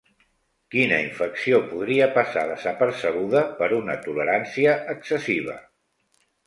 Quina infecció podria passar desapercebuda per una tolerància excessiva?